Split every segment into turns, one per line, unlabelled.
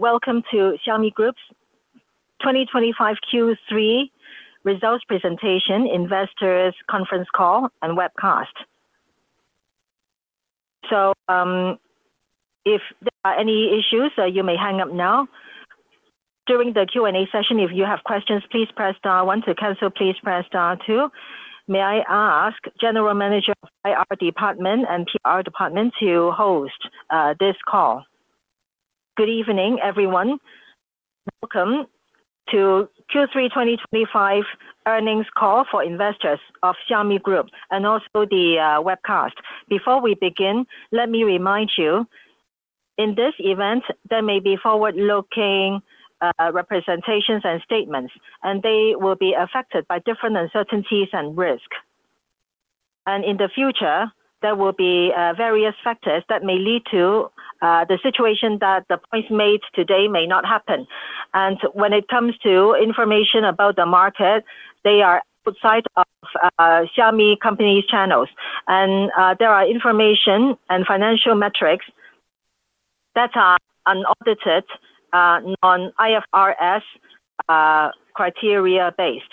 Welcome to Xiaomi Group's 2025 Q3 results presentation, investors' conference call, and webcast. If there are any issues, you may hang up now. During the Q&A session, if you have questions, please press star. Once you have canceled, please press star too. May I ask the General Manager of the IR department and PR department to host this call?
Good evening, everyone. Welcome to Q3 2025 earnings call for investors of Xiaomi Group and also the webcast. Before we begin, let me remind you, in this event, there may be forward-looking representations and statements, and they will be affected by different uncertainties and risks. In the future, there will be various factors that may lead to the situation that the points made today may not happen. When it comes to information about the market, they are outside of Xiaomi company's channels. There are information and financial metrics that are unaudited, non-IFRS, criteria-based.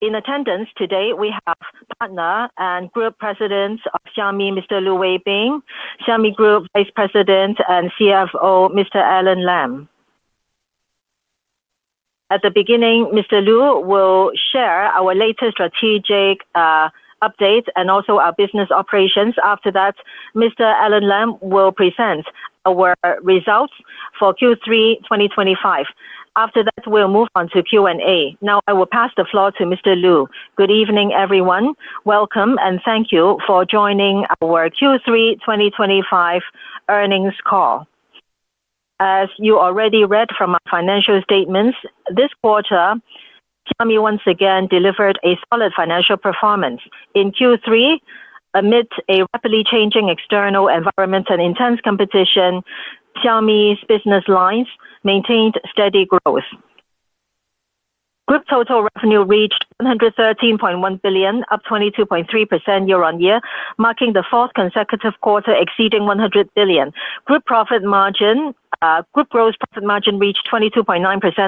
In attendance today, we have Partner and Group President of Xiaomi, Mr. Lu Weibing, Xiaomi Group Vice President and CFO, Mr. Alain Lam. At the beginning, Mr. Lu will share our latest strategic updates and also our business operations. After that, Mr. Alain Lam will present our results for Q3 2025. After that, we will move on to Q&A. Now, I will pass the floor to Mr. Lu.
Good evening, everyone. Welcome, and thank you for joining our Q3 2025 earnings call. As you already read from our financial statements, this quarter, Xiaomi once again delivered a solid financial performance. In Q3, amid a rapidly changing external environment and intense competition, Xiaomi's business lines maintained steady growth. Group total revenue reached 113.1 billion, up 22.3% year-on-year, marking the fourth consecutive quarter exceeding 100 billion. Group gross profit margin reached 22.9%,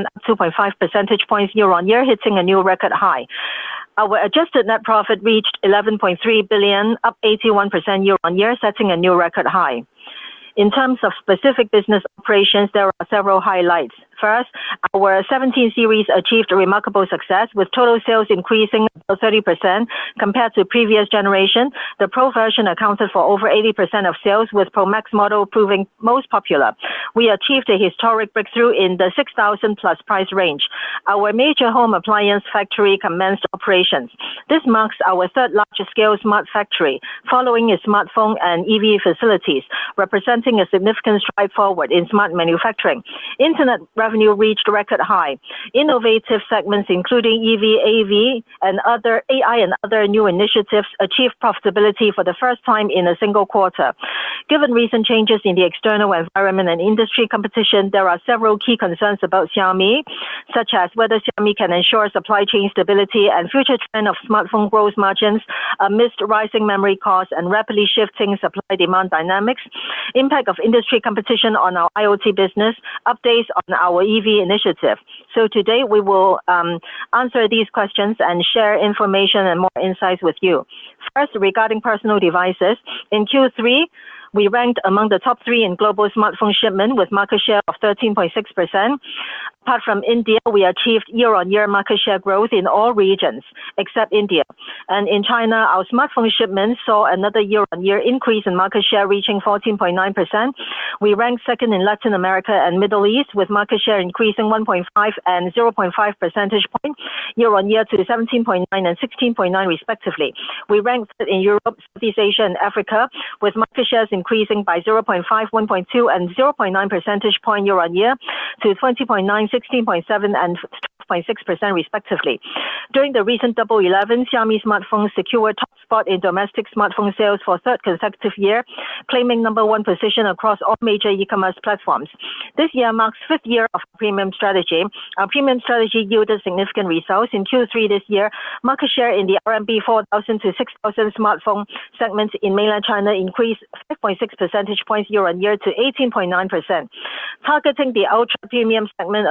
up 2.5 percentage points year-on-year, hitting a new record high. Our adjusted net profit reached 11.3 billion, up 81% year-on-year, setting a new record high. In terms of specific business operations, there are several highlights. First, our Xiaomi 17 series achieved remarkable success, with total sales increasing by 30% compared to the previous generation. The Pro version accounted for over 80% of sales, with the Pro Max model proving most popular. We achieved a historic breakthrough in the 6,000+ price range. Our major home appliance factory commenced operations. This marks our third-largest scale smart factory, following its smartphone and EV facilities, representing a significant stride forward in smart manufacturing. Internet revenue reached a record high. Innovative segments, including EV, AV, and other AI and other new initiatives, achieved profitability for the first time in a single quarter. Given recent changes in the external environment and industry competition, there are several key concerns about Xiaomi, such as whether Xiaomi can ensure supply chain stability and future trend of smartphone gross margins amidst rising memory costs and rapidly shifting supply-demand dynamics, impact of industry competition on our IoT business, and updates on our EV initiative. Today, we will answer these questions and share information and more insights with you. First, regarding personal devices, in Q3, we ranked among the top three in global smartphone shipment, with market share of 13.6%. Apart from India, we achieved year-on-year market share growth in all regions except India. In China, our smartphone shipment saw another year-on-year increase in market share, reaching 14.9%. We ranked second in Latin America and the Middle East, with market share increasing 1.5 and 0.5 percentage points year-on-year to 17.9% and 16.9%, respectively. We ranked third in Europe, Southeast Asia, and Africa, with market shares increasing by 0.5, 1.2, and 0.9 percentage points year-on-year to 20.9%, 16.7%, and 12.6%, respectively. During the recent Double 11, Xiaomi smartphones secured a top spot in domestic smartphone sales for the third consecutive year, claiming number one position across all major e-commerce platforms. This year marks the fifth year of our premium strategy. Our premium strategy yielded significant results. In Q3 this year, market share in the 4,000-6,000 RMB smartphone segments in mainland China increased 5.6 percentage points year-on-year to 18.9%. Targeting the ultra-premium segment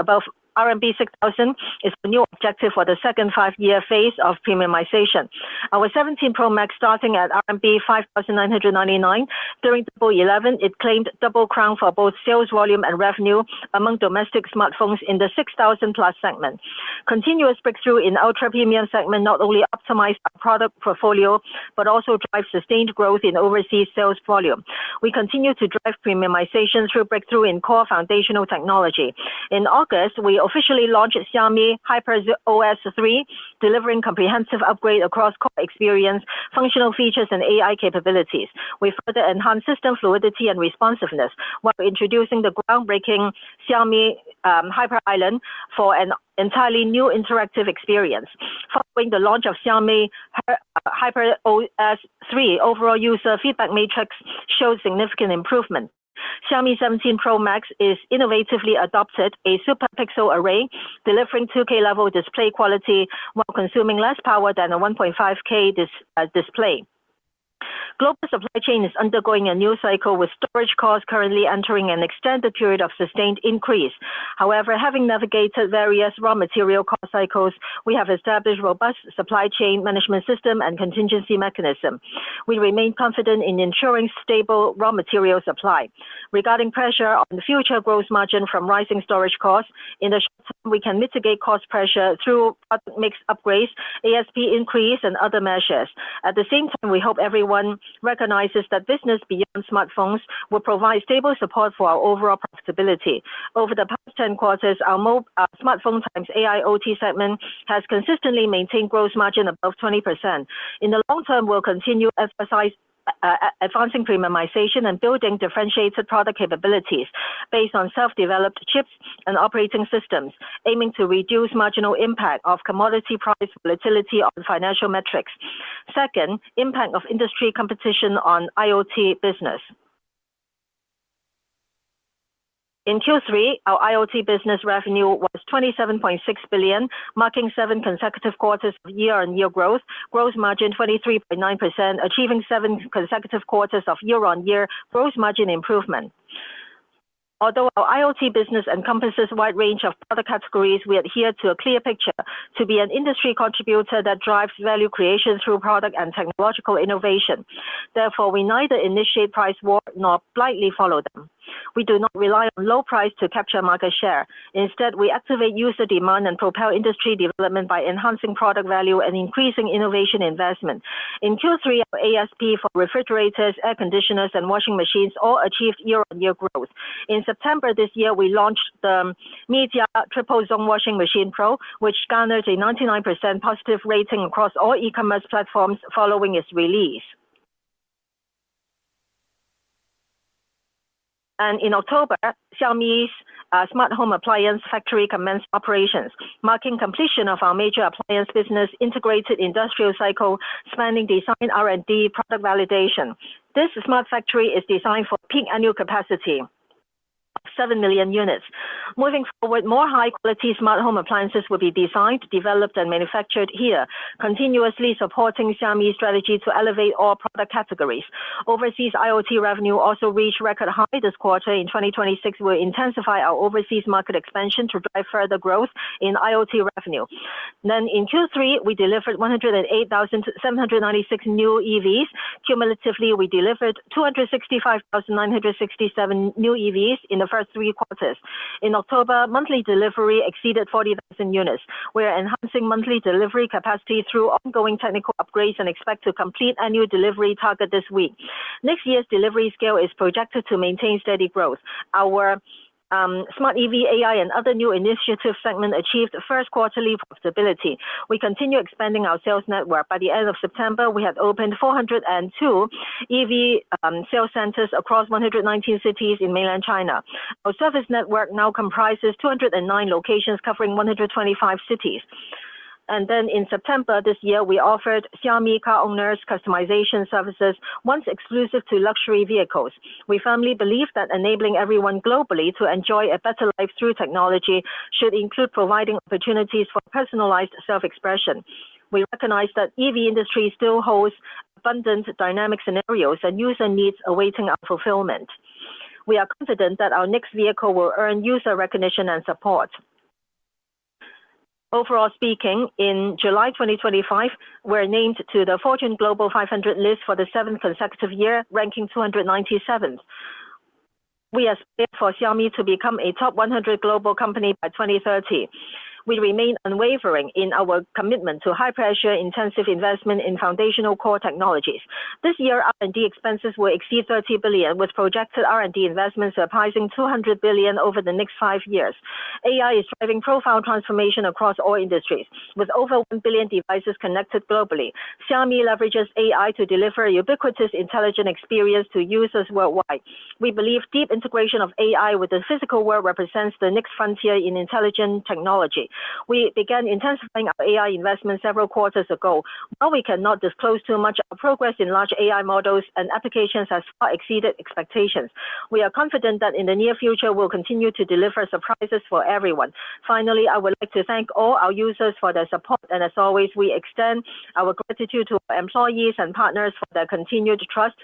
above RMB 6,000 is the new objective for the second five-year phase of premiumization. Our 17 Pro Max, starting at RMB 5,999, during Double 11, claimed a double crown for both sales volume and revenue among domestic smartphones in the 6,000+ segment. Continuous breakthrough in the ultra-premium segment not only optimized our product portfolio but also drives sustained growth in overseas sales volume. We continue to drive premiumization through breakthrough in core foundational technology. In August, we officially launched Xiaomi HyperOS 3, delivering a comprehensive upgrade across core experience, functional features, and AI capabilities. We further enhanced system fluidity and responsiveness while introducing the groundbreaking Xiaomi Hyper Island for an entirely new interactive experience. Following the launch of Xiaomi HyperOS 3, overall user feedback matrix showed significant improvement. Xiaomi 17 Pro Max is innovatively adopting a Super Pixel array, delivering 2K-level display quality while consuming less power than a 1.5K display. Global supply chain is undergoing a new cycle, with storage costs currently entering an extended period of sustained increase. However, having navigated various raw material cost cycles, we have established a robust supply chain management system and contingency mechanism. We remain confident in ensuring stable raw material supply. Regarding pressure on the future gross margin from rising storage costs, in the short term, we can mitigate cost pressure through product mix upgrades, ASP increase, and other measures. At the same time, we hope everyone recognizes that business beyond smartphones will provide stable support for our overall profitability. Over the past 10 quarters, our mobile, smartphone times AIoT segment has consistently maintained gross margin above 20%. In the long term, we'll continue to emphasize, advancing premiumization and building differentiated product capabilities based on self-developed chips and operating systems, aiming to reduce marginal impact of commodity price volatility on financial metrics. Second, impact of industry competition on IoT business. In Q3, our IoT business revenue was 27.6 billion, marking seven consecutive quarters of year-on-year growth, gross margin 23.9%, achieving seven consecutive quarters of year-on-year gross margin improvement. Although our IoT business encompasses a wide range of product categories, we adhere to a clear picture: to be an industry contributor that drives value creation through product and technological innovation. Therefore, we neither initiate price wars nor blindly follow them. We do not rely on low price to capture market share. Instead, we activate user demand and propel industry development by enhancing product value and increasing innovation investment. In Q3, our ASP for refrigerators, air conditioners, and washing machines all achieved year-on-year growth. In September this year, we launched the Mijia Tri-Zone Washing Machine Pro, which garnered a 99% positive rating across all e-commerce platforms following its release. In October, Xiaomi's smart home appliance factory commenced operations, marking the completion of our major appliance business integrated industrial cycle spanning design, R&D, and product validation. This smart factory is designed for peak annual capacity of 7 million units. Moving forward, more high-quality smart home appliances will be designed, developed, and manufactured here, continuously supporting Xiaomi's strategy to elevate all product categories. Overseas IoT revenue also reached record highs this quarter. In 2026, we will intensify our overseas market expansion to drive further growth in IoT revenue. In Q3, we delivered 108,796 new EVs. Cumulatively, we delivered 265,967 new EVs in the first three quarters. In October, monthly delivery exceeded 40,000 units. We are enhancing monthly delivery capacity through ongoing technical upgrades and expect to complete a new delivery target this week. Next year's delivery scale is projected to maintain steady growth. Our smart EV, AI, and other new initiative segment achieved first-quarterly profitability. We continue expanding our sales network. By the end of September, we had opened 402 EV sales centers across 119 cities in mainland China. Our service network now comprises 209 locations covering 125 cities. In September this year, we offered Xiaomi car owners customization services, once exclusive to luxury vehicles. We firmly believe that enabling everyone globally to enjoy a better life through technology should include providing opportunities for personalized self-expression. We recognize that the EV industry still holds abundant dynamic scenarios and user needs awaiting our fulfillment. We are confident that our next vehicle will earn user recognition and support. Overall speaking, in July 2025, we were named to the Fortune Global 500 list for the seventh consecutive year, ranking 297th. We aspire for Xiaomi to become a top 100 global company by 2030. We remain unwavering in our commitment to high-pressure, intensive investment in foundational core technologies. This year, R&D expenses will exceed 30 billion, with projected R&D investments surpassing 200 billion over the next five years. AI is driving profile transformation across all industries, with over 1 billion devices connected globally. Xiaomi leverages AI to deliver a ubiquitous intelligent experience to users worldwide. We believe deep integration of AI with the physical world represents the next frontier in intelligent technology. We began intensifying our AI investment several quarters ago. While we cannot disclose too much, our progress in large AI models and applications has far exceeded expectations. We are confident that in the near future, we'll continue to deliver surprises for everyone. Finally, I would like to thank all our users for their support. As always, we extend our gratitude to our employees and partners for their continued trust.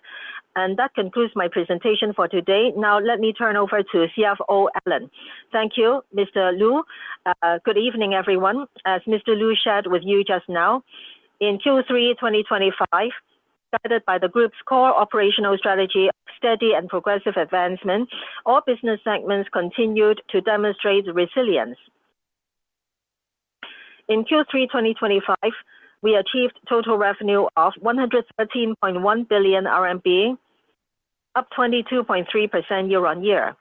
That concludes my presentation for today. Now, let me turn over to CFO Alain.
Thank you, Mr. Lu. Good evening, everyone. As Mr. Lu shared with you just now, in Q3 2025, guided by the group's core operational strategy of steady and progressive advancement, all business segments continued to demonstrate resilience. In Q3 2025, we achieved total revenue of 113.1 billion RMB, up 22.3% year-on-year.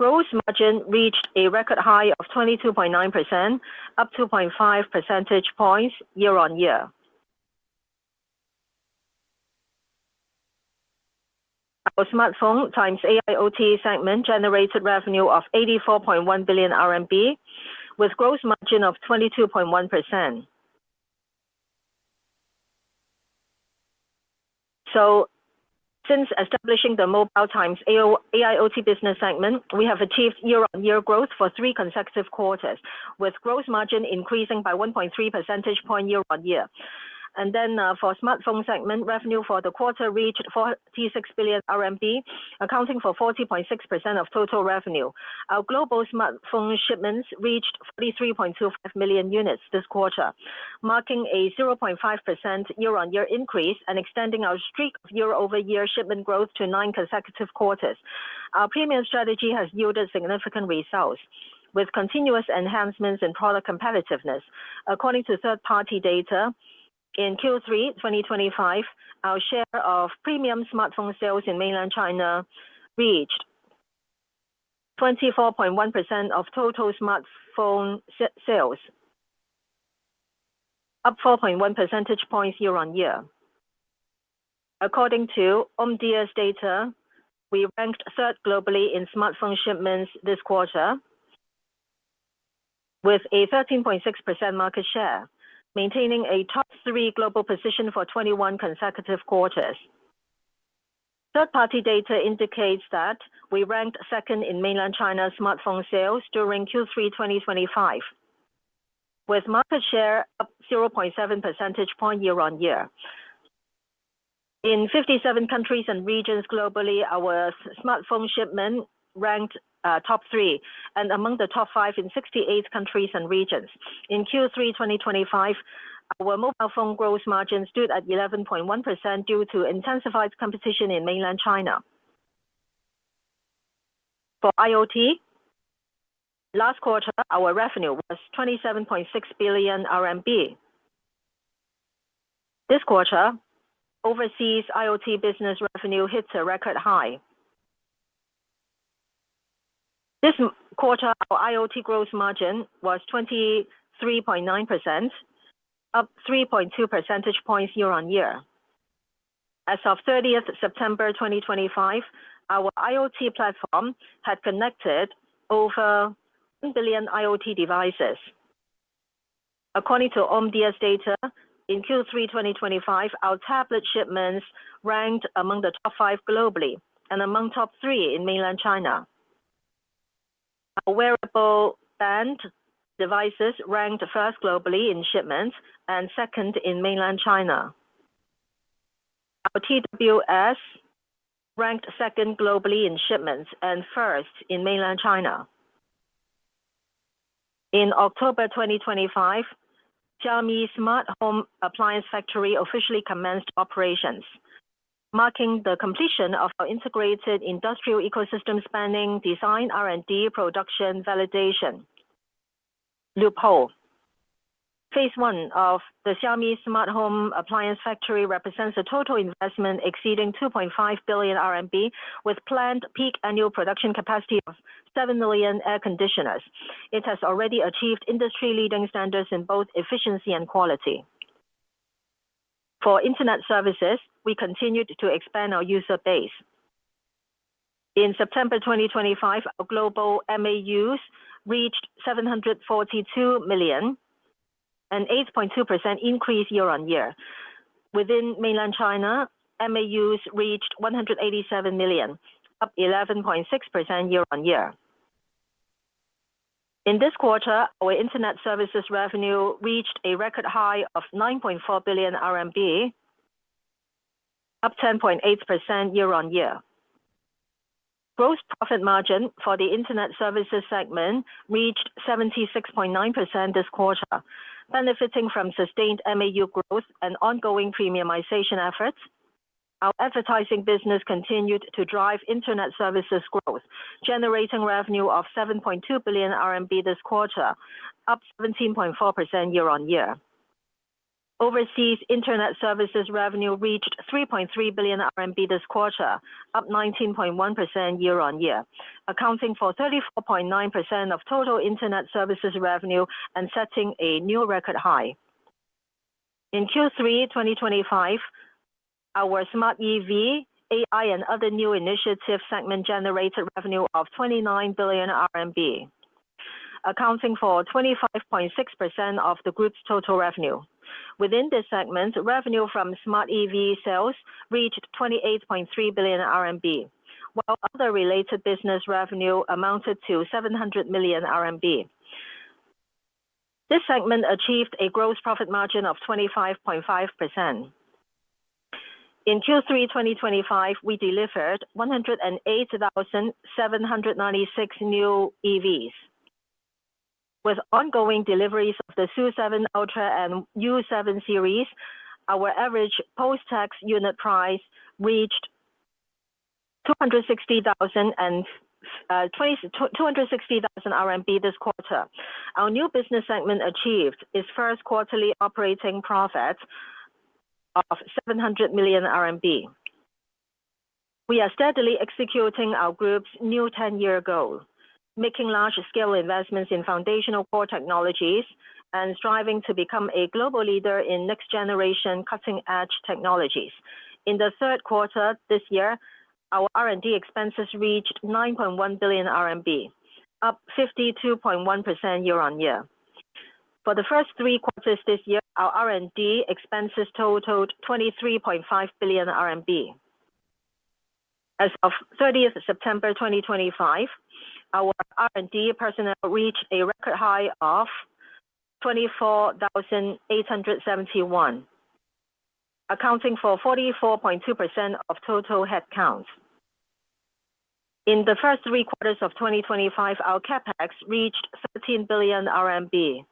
Gross margin reached a record high of 22.9%, up 2.5 percentage points year-on-year. Our smartphone times AIoT segment generated revenue of 84.1 billion RMB, with gross margin of 22.1%. Since establishing the mobile times AIoT business segment, we have achieved year-on-year growth for three consecutive quarters, with gross margin increasing by 1.3 percentage points year-on-year. For the smartphone segment, revenue for the quarter reached 46 billion RMB, accounting for 40.6% of total revenue. Our global smartphone shipments reached 43.25 million units this quarter, marking a 0.5% year-on-year increase and extending our streak of year-over-year shipment growth to nine consecutive quarters. Our premium strategy has yielded significant results, with continuous enhancements in product competitiveness. According to third-party data, in Q3 2025, our share of premium smartphone sales in mainland China reached 24.1% of total smartphone sales, up 4.1 percentage points year-on-year. According to Omdia's data, we ranked third globally in smartphone shipments this quarter, with a 13.6% market share, maintaining a top-three global position for 21 consecutive quarters. Third-party data indicates that we ranked second in mainland China's smartphone sales during Q3 2025, with market share up 0.7 percentage points year-on-year. In 57 countries and regions globally, our smartphone shipment ranked top three and among the top five in 68 countries and regions. In Q3 2025, our mobile phone gross margin stood at 11.1% due to intensified competition in mainland China. For IoT, last quarter, our revenue was 27.6 billion RMB. This quarter, overseas IoT business revenue hit a record high. This quarter, our IoT gross margin was 23.9%, up 3.2 percentage points year-on-year. As of 30th September 2025, our IoT platform had connected over 1 billion IoT devices. According to Omdia's data, in Q3 2025, our tablet shipments ranked among the top five globally and among the top three in mainland China. Our wearable band devices ranked first globally in shipments and second in mainland China. Our TWS ranked second globally in shipments and first in mainland China. In October 2025, Xiaomi's smart home appliance factory officially commenced operations, marking the completion of our integrated industrial ecosystem spanning design, R&D, production, and validation. Phase I of the Xiaomi smart home appliance factory represents a total investment exceeding 2.5 billion RMB, with planned peak annual production capacity of 7 million air conditioners. It has already achieved industry-leading standards in both efficiency and quality. For internet services, we continued to expand our user base. In September 2025, our global MAUs reached 742 million, an 8.2% increase year-on-year. Within mainland China, MAUs reached 187 million, up 11.6% year-on-year. In this quarter, our internet services revenue reached a record high of 9.4 billion RMB, up 10.8% year-on-year. Gross profit margin for the internet services segment reached 76.9% this quarter, benefiting from sustained MAU growth and ongoing premiumization efforts. Our advertising business continued to drive internet services growth, generating revenue of 7.2 billion RMB this quarter, up 17.4% year-on-year. Overseas internet services revenue reached 3.3 billion RMB this quarter, up 19.1% year-on-year, accounting for 34.9% of total internet services revenue and setting a new record high. In Q3 2025, our smart EV, AI, and other new initiative segment generated revenue of 29 billion RMB, accounting for 25.6% of the group's total revenue. Within this segment, revenue from smart EV sales reached 28.3 billion RMB, while other related business revenue amounted to 700 million RMB. This segment achieved a gross profit margin of 25.5%. In Q3 2025, we delivered 108,796 new EVs. With ongoing deliveries of the SU7 Ultra and U7 series, our average post-tax unit price reached 260,000 and, 260,000 RMB this quarter. Our new business segment achieved its first quarterly operating profit of 700 million RMB. We are steadily executing our group's new 10-year goal, making large-scale investments in foundational core technologies and striving to become a global leader in next-generation cutting-edge technologies. In the third quarter this year, our R&D expenses reached 9.1 billion RMB, up 52.1% year-on-year. For the first three quarters this year, our R&D expenses totaled 23.5 billion RMB. As of 30th September 2025, our R&D personnel reached a record high of 24,871, accounting for 44.2% of total headcount. In the first three quarters of 2025, our CapEx reached 13 billion RMB, an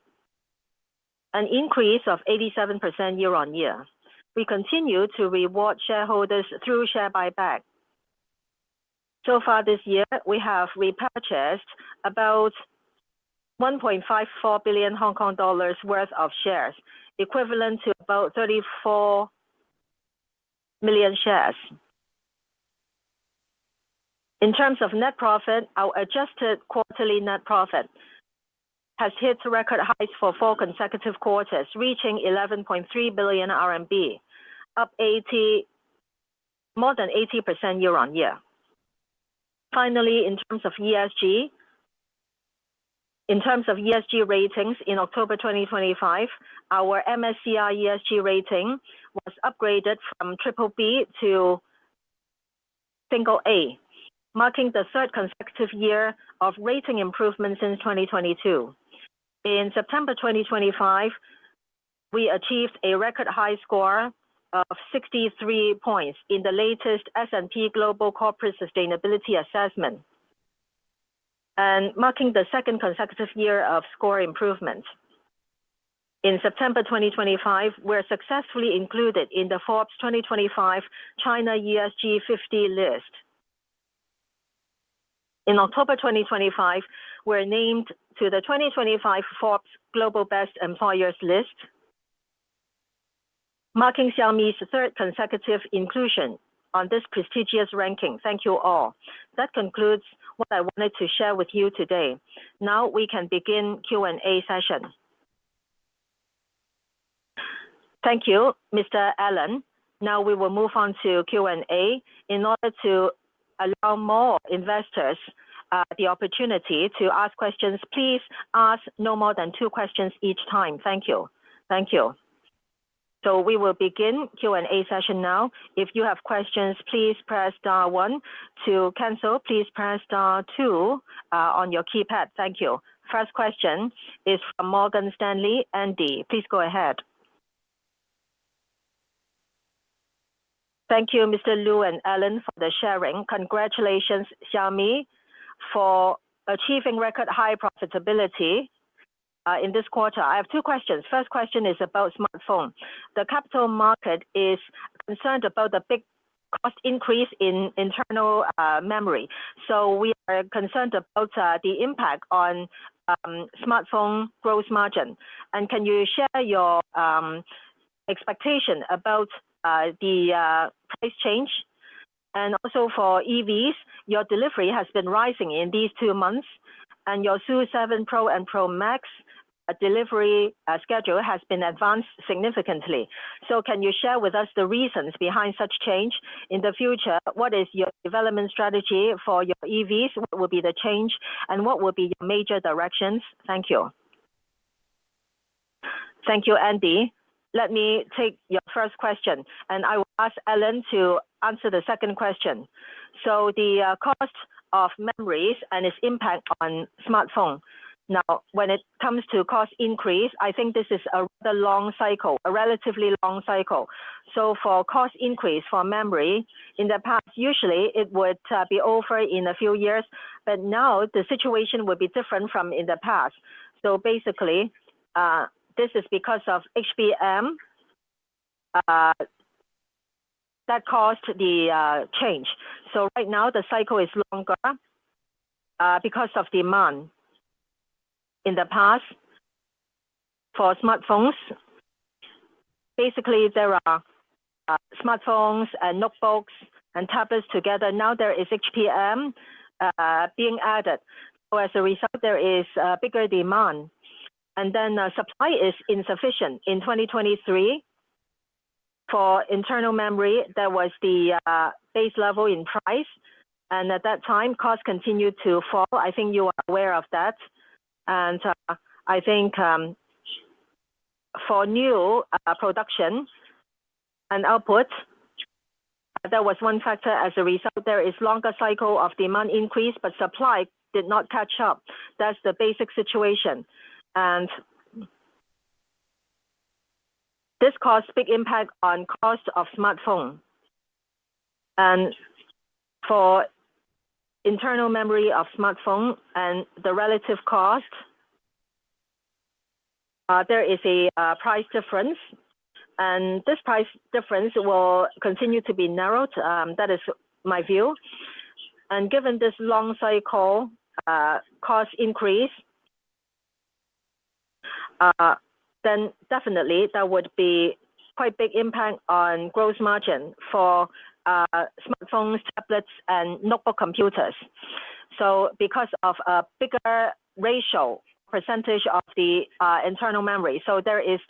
increase of 87% year-on-year. We continue to reward shareholders through share buyback. So far this year, we have repurchased about 1.54 billion Hong Kong dollars worth of shares, equivalent to about 34 million shares. In terms of net profit, our adjusted quarterly net profit has hit record highs for four consecutive quarters, reaching 11.3 billion RMB, up 80%, more than 80% year-on-year. Finally, in terms of ESG, in terms of ESG ratings, in October 2025, our MSCI ESG rating was upgraded from BBB to single A, marking the third consecutive year of rating improvement since 2022. In September 2025, we achieved a record high score of 63 points in the latest S&P Global Corporate Sustainability Assessment, marking the second consecutive year of score improvement. In September 2025, we're successfully included in the Forbes 2025 China ESG 50 list. In October 2025, we're named to the 2025 Forbes Global Best Employers list, marking Xiaomi's third consecutive inclusion on this prestigious ranking. Thank you all. That concludes what I wanted to share with you today. Now we can begin Q&A session.
Thank you, Mr. Alain. Now we will move on to Q&A. In order to allow more investors the opportunity to ask questions, please ask no more than two questions each time. Thank you. Thank you. We will begin Q&A session now. If you have questions, please press star one. To cancel, please press star two on your keypad. Thank you. First question is from Morgan Stanley Andy. Please go ahead.
Thank you, Mr. Lu and Alain, for the sharing. Congratulations, Xiaomi, for achieving record high profitability in this quarter. I have two questions. First question is about smartphone. The capital market is concerned about the big cost increase in internal memory. We are concerned about the impact on smartphone gross margin. Can you share your expectation about the price change? Also, for EVs, your delivery has been rising in these two months, and your SU7 Pro and Pro Max delivery schedule has been advanced significantly. Can you share with us the reasons behind such change in the future? What is your development strategy for your EVs? What will be the change, and what will be your major directions? Thank you.
Thank you, Andy. Let me take your first question, and I will ask Alan to answer the second question. The cost of memories and its impact on smartphone. Now, when it comes to cost increase, I think this is a rather long cycle, a relatively long cycle. For cost increase for memory in the past, usually it would be over in a few years, but now the situation will be different from in the past. Basically, this is because of HBM that caused the change. Right now the cycle is longer because of demand. In the past, for smartphones, basically there are smartphones and notebooks and tablets together. Now there is HBM being added. As a result, there is bigger demand. The supply is insufficient. In 2023, for internal memory, there was the base level in price, and at that time cost continued to fall. I think you are aware of that. I think, for new production and output, there was one factor. As a result, there is a longer cycle of demand increase, but supply did not catch up. That is the basic situation. This caused a big impact on the cost of smartphone. For internal memory of smartphone and the relative cost, there is a price difference, and this price difference will continue to be narrowed. That is my view. Given this long cycle, cost increase, that would be quite a big impact on gross margin for smartphones, tablets, and notebook computers. Because of a bigger ratio percentage of the internal memory, there is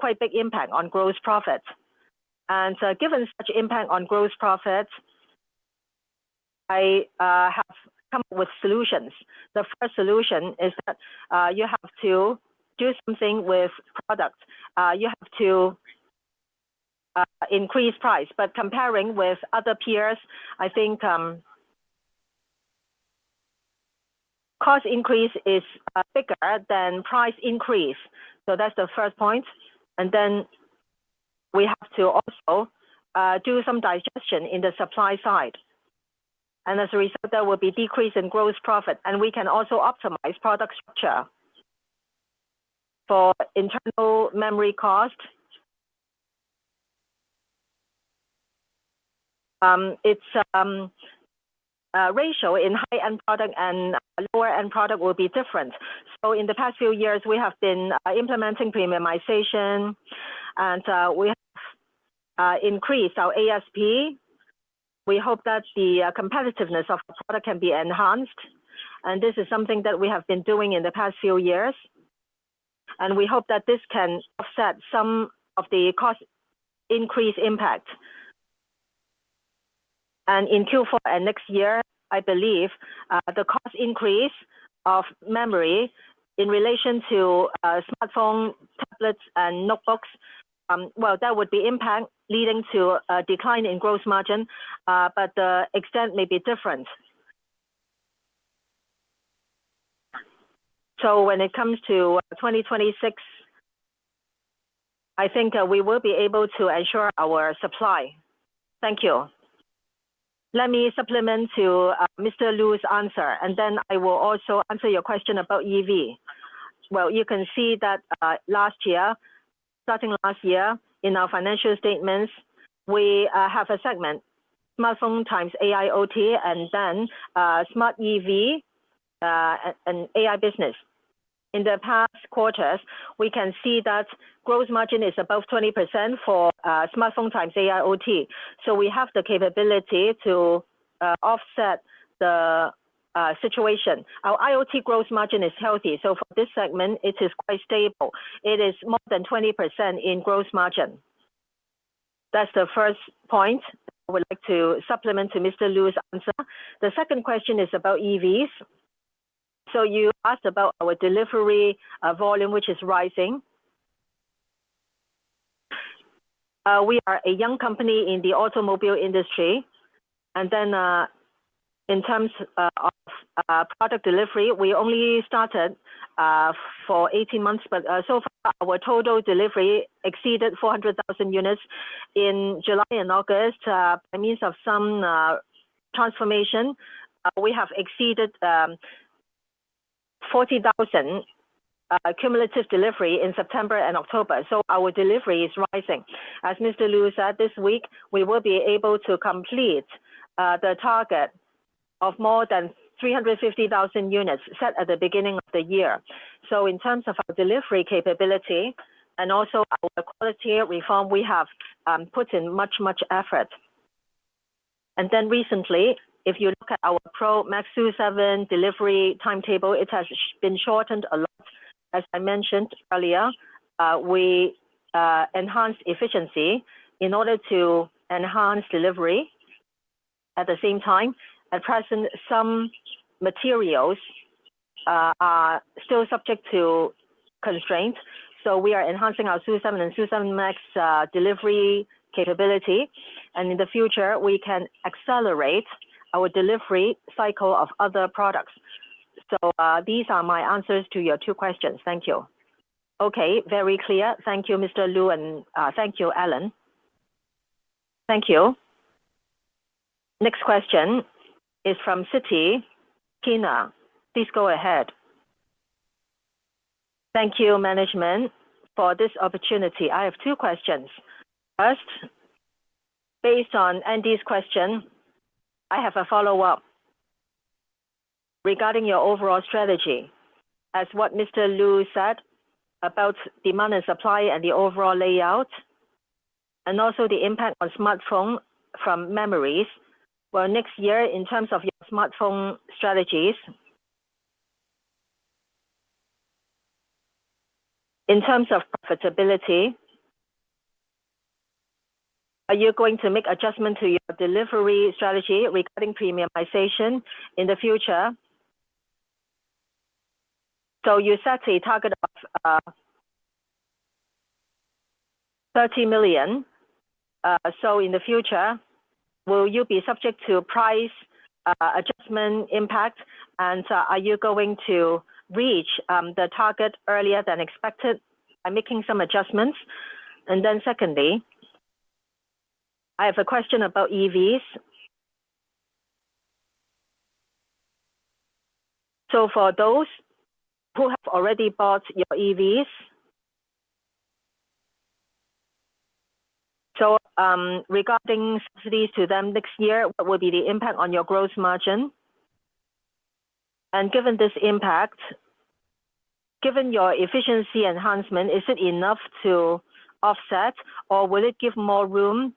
quite a big impact on gross profit. Given such impact on gross profit, I have come up with solutions. The first solution is that you have to do something with product. You have to increase price. Comparing with other peers, I think cost increase is bigger than price increase. That is the first point. We have to also do some digestion in the supply side. As a result, there will be a decrease in gross profit. We can also optimize product structure for internal memory cost. Its ratio in high-end product and lower-end product will be different. In the past few years, we have been implementing premiumization, and we have increased our ASP. We hope that the competitiveness of the product can be enhanced. This is something that we have been doing in the past few years. We hope that this can offset some of the cost increase impact. In Q4 and next year, I believe the cost increase of memory in relation to smartphones, tablets, and notebooks, that would be impact leading to a decline in gross margin, but the extent may be different. When it comes to 2026, I think we will be able to ensure our supply.
Thank you. Let me supplement to Mr. Lu's answer, and then I will also answer your question about EV. You can see that, starting last year in our financial statements, we have a segment: smartphone times AIoT, and then smart EV, and AI business. In the past quarters, we can see that gross margin is above 20% for smartphone times AIoT. We have the capability to offset the situation. Our IoT gross margin is healthy. For this segment, it is quite stable. It is more than 20% in gross margin. That's the first point I would like to supplement to Mr. Lu's answer. The second question is about EVs. You asked about our delivery volume, which is rising. We are a young company in the automobile industry. In terms of product delivery, we only started for 18 months, but so far our total delivery exceeded 400,000 units in July and August. By means of some transformation, we have exceeded 40,000 cumulative delivery in September and October. Our delivery is rising. As Mr. Lu said, this week we will be able to complete the target of more than 350,000 units set at the beginning of the year. In terms of our delivery capability and also our quality reform, we have put in much, much effort. Recently, if you look at our Pro Max SU7 delivery timetable, it has been shortened a lot. As I mentioned earlier, we enhanced efficiency in order to enhance delivery. At the same time, at present, some materials are still subject to constraints. We are enhancing our SU7 and SU7 Max delivery capability. In the future, we can accelerate our delivery cycle of other products. These are my answers to your two questions. Thank you.
Okay, very clear. Thank you, Mr. Lu, and thank you, Alain.
Thank you. Next question is from Citi Kyna. Please go ahead.
Thank you, management, for this opportunity. I have two questions. First, based on Andy's question, I have a follow-up regarding your overall strategy. As what Mr. Lu said about demand and supply and the overall layout, and also the impact on smartphone from memories. Next year, in terms of your smartphone strategies, in terms of profitability, are you going to make adjustments to your delivery strategy regarding premiumization in the future? You set a target of 30 million. In the future, will you be subject to price adjustment impact? Are you going to reach the target earlier than expected by making some adjustments? Secondly, I have a question about EVs. For those who have already bought your EVs, regarding subsidies to them next year, what will be the impact on your gross margin? Given this impact, given your efficiency enhancement, is it enough to offset, or will it give more room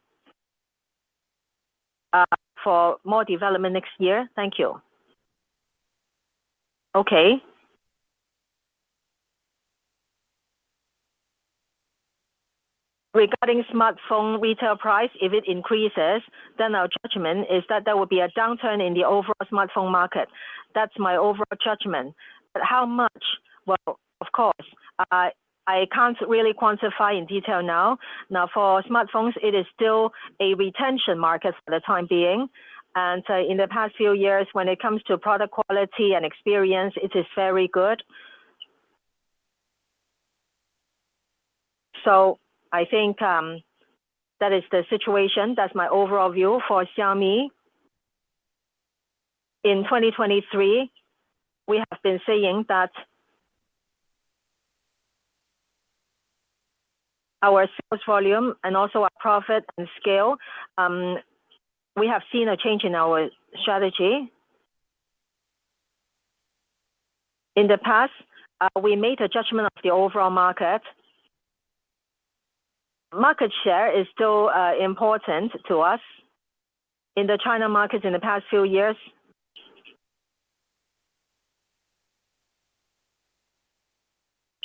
for more development next year? Thank you.
Regarding smartphone retail price, if it increases, then our judgment is that there will be a downturn in the overall smartphone market. That is my overall judgment. How much? Of course, I can't really quantify in detail now. For smartphones, it is still a retention market for the time being. In the past few years, when it comes to product quality and experience, it is very good. I think that is the situation. That's my overall view for Xiaomi. In 2023, we have been seeing that our sales volume and also our profit and scale, we have seen a change in our strategy. In the past, we made a judgment of the overall market. Market share is still important to us in the China market in the past few years.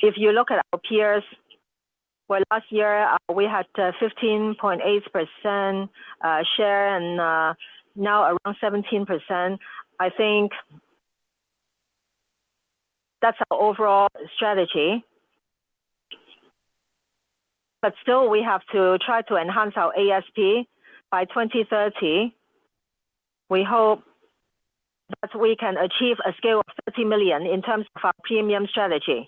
If you look at our peers, last year, we had 15.8% share and now around 17%. I think that's our overall strategy. Still, we have to try to enhance our ASP by 2030. We hope that we can achieve a scale of 30 million in terms of our premium strategy.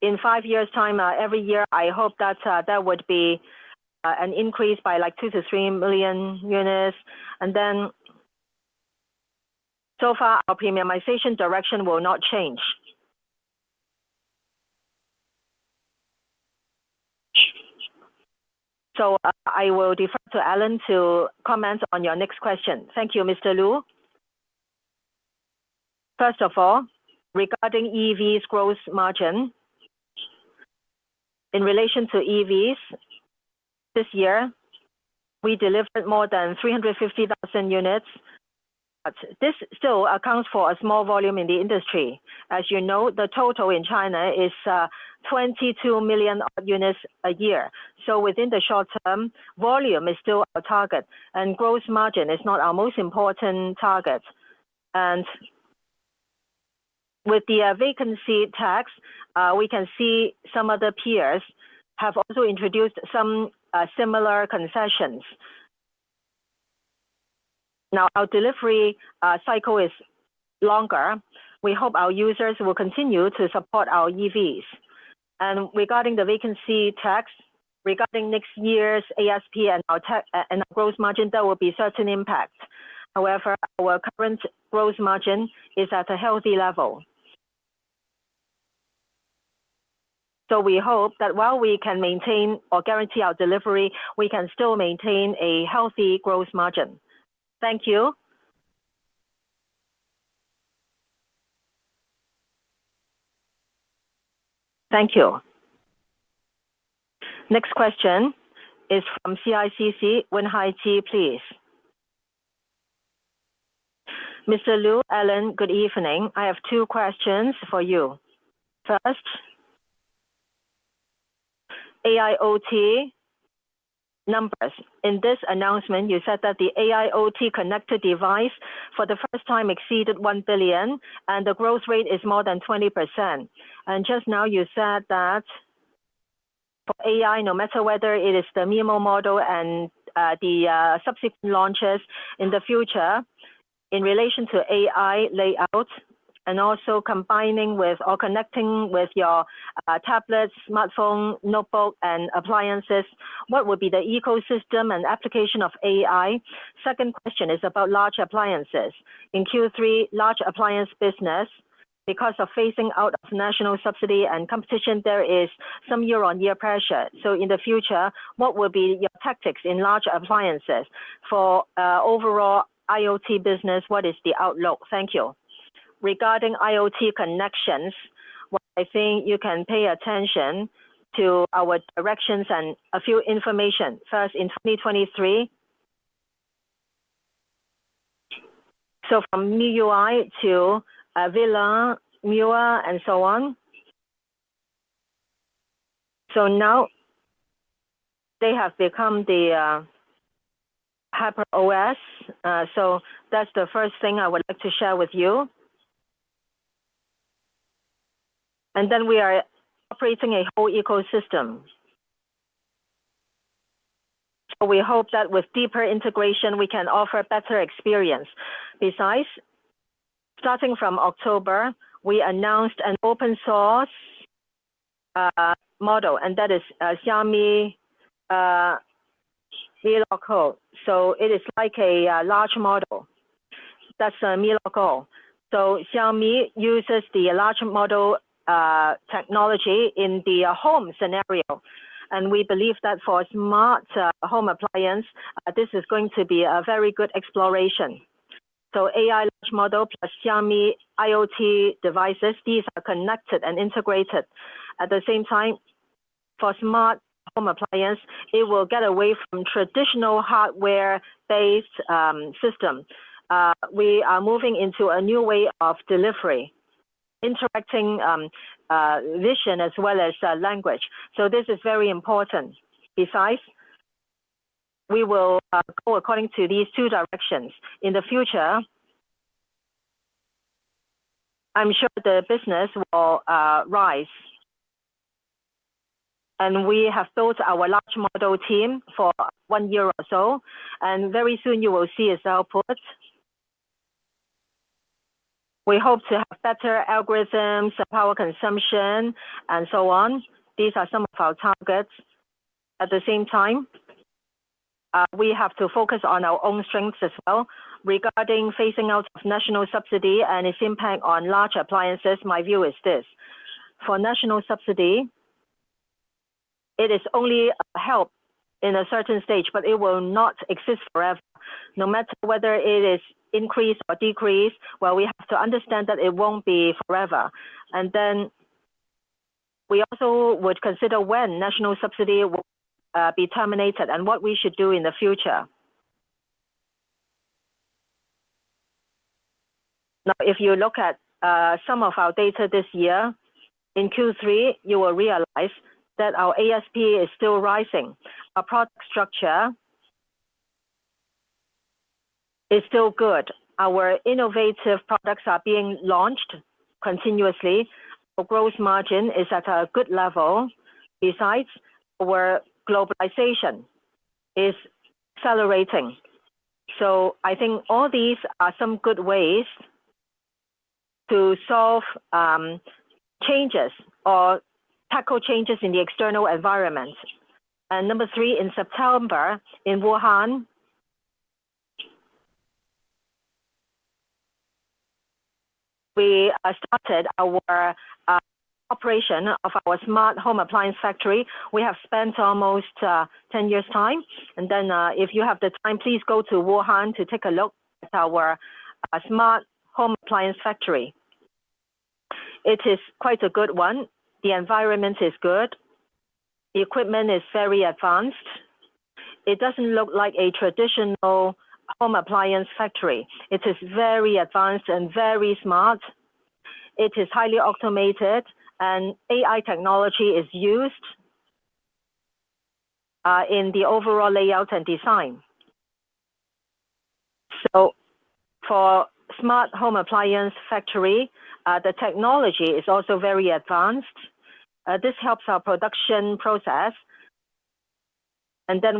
In five years' time, every year, I hope that would be an increase by like 2 million-3 million units. So far, our premiumization direction will not change. I will defer to Alain to comment on your next question.
Thank you, Mr. Lu. First of all, regarding EVs' gross margin, in relation to EVs this year, we delivered more than 350,000 units. This still accounts for a small volume in the industry. As you know, the total in China is 22 million units a year. Within the short term, volume is still our target, and gross margin is not our most important target. With the vacancy tax, we can see some of the peers have also introduced some similar concessions. Now, our delivery cycle is longer. We hope our users will continue to support our EVs. Regarding the vacancy tax, regarding next year's ASP and our tech, and our gross margin, there will be certain impact. However, our current gross margin is at a healthy level. We hope that while we can maintain or guarantee our delivery, we can still maintain a healthy gross margin. Thank you.
Thank you. Next question is from CICC Wenhai Chih, please.
Mr. Lu, Alan, good evening. I have two questions for you. First, AIoT numbers. In this announcement, you said that the AIoT connected device for the first time exceeded 1 billion, and the growth rate is more than 20%. Just now you said that for AI, no matter whether it is the MiMo model and the subsequent launches in the future, in relation to AI layout and also combining with or connecting with your tablets, smartphone, notebook, and appliances, what would be the ecosystem and application of AI? Second question is about large appliances. In Q3, large appliance business, because of phasing out of national subsidy and competition, there is some year-on-year pressure. In the future, what will be your tactics in large appliances? For overall IoT business, what is the outlook? Thank you.
Regarding IoT connections, I think you can pay attention to our directions and a few information. First, in 2023, from MIUI to VLAN, MIUI, and so on. Now they have become the HyperOS. That is the first thing I would like to share with you. We are operating a whole ecosystem. We hope that with deeper integration, we can offer a better experience. Besides, starting from October, we announced an open-source model, and that is Xiaomi MIUI code. It is like a large model. That's MIUI code. Xiaomi uses the large model technology in the home scenario. We believe that for smart home appliance, this is going to be a very good exploration. AI large model plus Xiaomi IoT devices, these are connected and integrated. At the same time, for smart home appliance, it will get away from traditional hardware-based system. We are moving into a new way of delivery, interacting, vision as well as language. This is very important. Besides, we will go according to these two directions. In the future, I'm sure the business will rise. We have built our large model team for one year or so. Very soon, you will see its output. We hope to have better algorithms, power consumption, and so on. These are some of our targets. At the same time, we have to focus on our own strengths as well. Regarding phasing out of national subsidy and its impact on large appliances, my view is this: for national subsidy, it is only a help in a certain stage, but it will not exist forever. No matter whether it is increased or decreased, we have to understand that it will not be forever. We also would consider when national subsidy will be terminated and what we should do in the future. If you look at some of our data this year, in Q3, you will realize that our ASP is still rising. Our product structure is still good. Our innovative products are being launched continuously. Our gross margin is at a good level. Besides, our globalization is accelerating. I think all these are some good ways to solve, changes or tackle changes in the external environment. Number three, in September, in Wuhan, we started our operation of our smart home appliance factory. We have spent almost 10 years' time. If you have the time, please go to Wuhan to take a look at our smart home appliance factory. It is quite a good one. The environment is good. The equipment is very advanced. It does not look like a traditional home appliance factory. It is very advanced and very smart. It is highly automated, and AI technology is used in the overall layout and design. For smart home appliance factory, the technology is also very advanced. This helps our production process.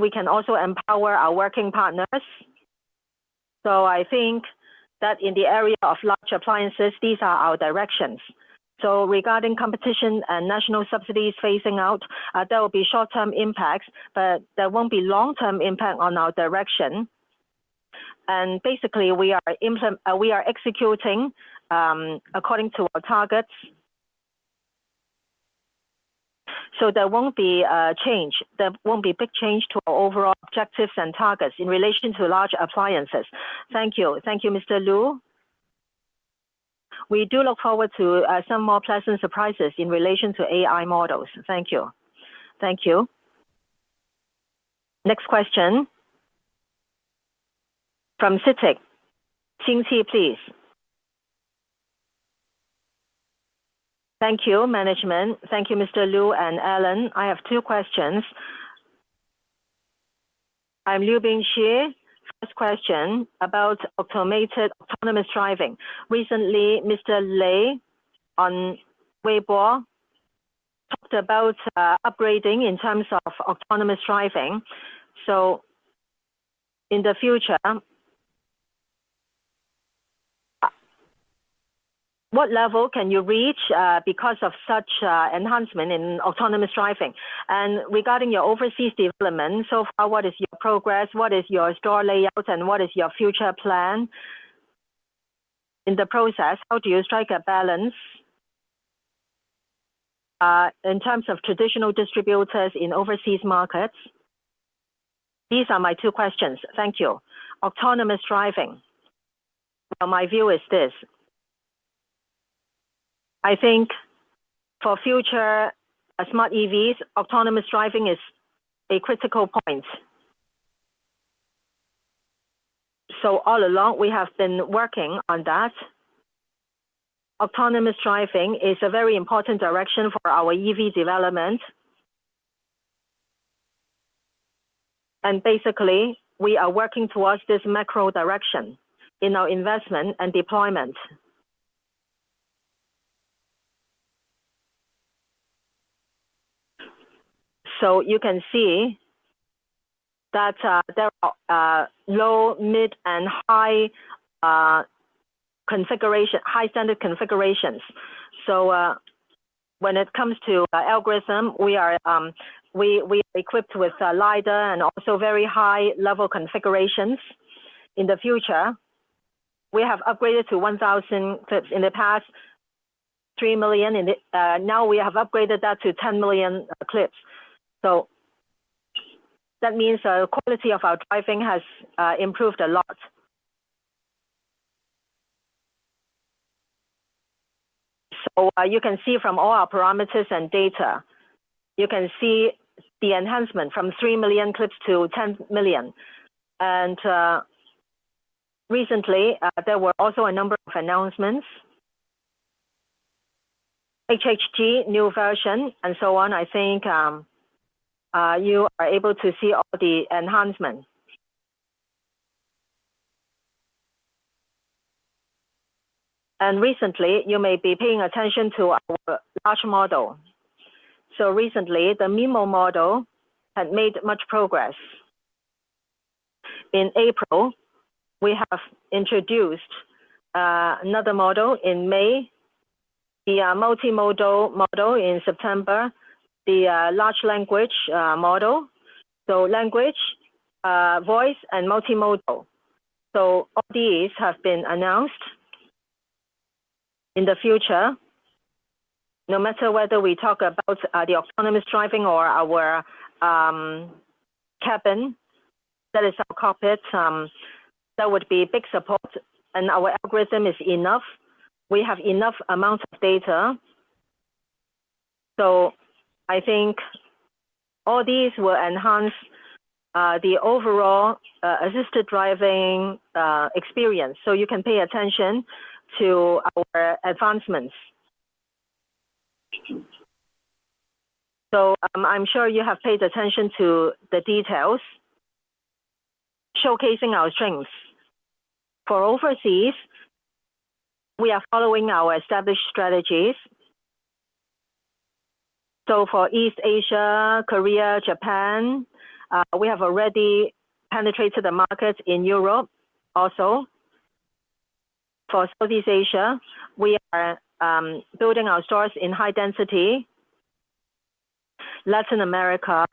We can also empower our working partners. I think that in the area of large appliances, these are our directions. Regarding competition and national subsidies phasing out, there will be short-term impacts, but there will not be long-term impact on our direction. Basically, we are implementing, we are executing according to our targets. There will not be change. There will not be big change to our overall objectives and targets in relation to large appliances. Thank you.
Thank you, Mr. Lu. We do look forward to some more pleasant surprises in relation to AI models. Thank you.
Thank you. Next question from CITIC. [Ying Xu], please.
Thank you, management. Thank you, Mr. Lu and Alan. I have two questions. I am [Liu Bingxi]. First question about automated autonomous driving. Recently, Mr. Lei on Weibo talked about upgrading in terms of autonomous driving. In the future, what level can you reach because of such enhancement in autonomous driving? Regarding your overseas development, so far, what is your progress? What is your store layout, and what is your future plan? In the process, how do you strike a balance in terms of traditional distributors in overseas markets? These are my two questions. Thank you.
Autonomous driving, my view is this. I think for future smart EVs, autonomous driving is a critical point. All along, we have been working on that. Autonomous driving is a very important direction for our EV development. Basically, we are working towards this macro direction in our investment and deployment. You can see that there are low, mid, and high configuration, high-standard configurations. When it comes to algorithm, we are equipped with LiDAR and also very high-level configurations. In the future, we have upgraded to 1,000 clips. In the past, 3 million. Now we have upgraded that to 10 million clips. That means the quality of our driving has improved a lot. You can see from all our parameters and data, you can see the enhancement from 3 million clips to 10 million. Recently, there were also a number of announcements, HHG, new version, and so on. I think you are able to see all the enhancements. Recently, you may be paying attention to our large model. Recently, the MiMo model had made much progress. In April, we have introduced another model, in May the multimodal model, in September the large language model. Language, voice, and multimodal. All these have been announced. In the future, no matter whether we talk about the autonomous driving or our cabin, that is our cockpit, that would be big support. And our algorithm is enough. We have enough amount of data. I think all these will enhance the overall assisted driving experience. You can pay attention to our advancements. I'm sure you have paid attention to the details showcasing our strengths. For overseas, we are following our established strategies. For East Asia, Korea, Japan, we have already penetrated the markets in Europe also. For Southeast Asia, we are building our stores in high density. Latin America,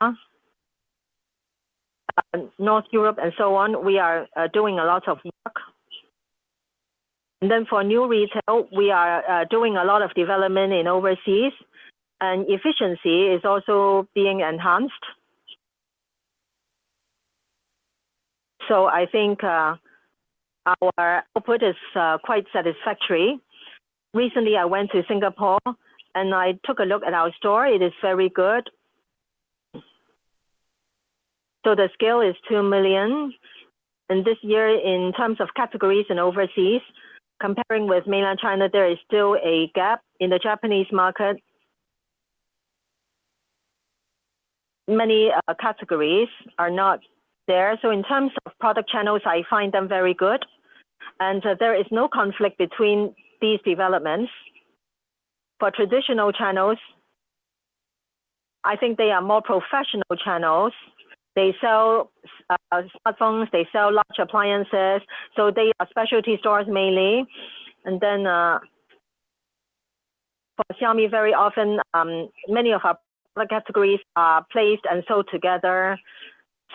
North Europe, and so on, we are doing a lot of work. For new retail, we are doing a lot of development in overseas, and efficiency is also being enhanced. I think our output is quite satisfactory. Recently, I went to Singapore, and I took a look at our store. It is very good. The scale is 2 million. This year, in terms of categories in overseas, comparing with mainland China, there is still a gap in the Japanese market. Many categories are not there. In terms of product channels, I find them very good. There is no conflict between these developments. For traditional channels, I think they are more professional channels. They sell smartphones. They sell large appliances. They are specialty stores mainly. For Xiaomi, very often, many of our product categories are placed and sold together.